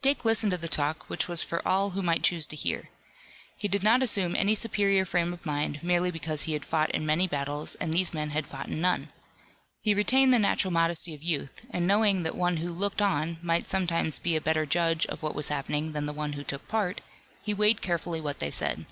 Dick listened to the talk which was for all who might choose to hear. He did not assume any superior frame of mind, merely because he had fought in many battles and these men had fought in none. He retained the natural modesty of youth, and knowing that one who looked on might sometimes be a better judge of what was happening than the one who took part, he weighed carefully what they said.